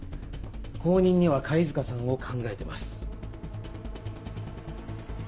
後任には貝塚さんを考えてます。